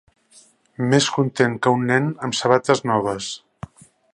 Més content que un nen amb sabates noves